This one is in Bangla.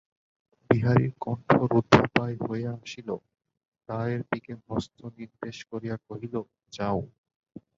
বিহারীর কণ্ঠ রুদ্ধপ্রায় হইয়া আসিল–দ্বারের দিকে হস্তনির্দেশ করিয়া কহিল, যাও।